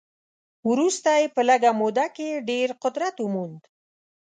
وروسته یې په لږه موده کې ډېر قدرت وموند.